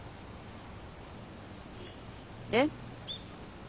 で？